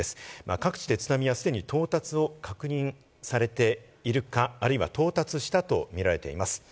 各地で津波は既に到達を確認されているか、あるいは到達したと見られています。